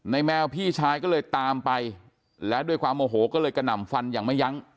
แมวพี่ชายก็เลยตามไปแล้วด้วยความโอโหก็เลยกระหน่ำฟันอย่างไม่ยั้ง